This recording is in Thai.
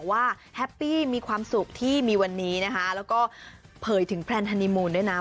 แล้วก็เผยถึงแพลนฮันนีมูลด้วยนะ